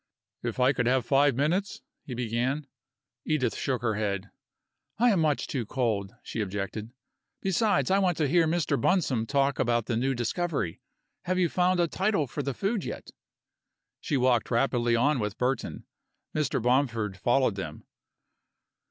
"If I could have five minutes " he began. Edith shook her head. "I am much too cold," she objected. "Besides, I want to hear Mr. Bunsome talk about the new discovery. Have you found a title for the food yet?" She walked rapidly on with Burton. Mr. Bomford followed them.